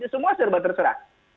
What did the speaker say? semua serba terserah